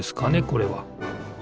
これは。